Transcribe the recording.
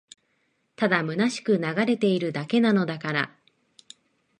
ただ空しく流れているだけなのだから